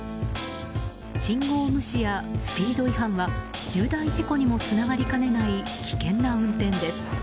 信号無視やスピード違反は重大事故にもつながりかねない危険な運転です。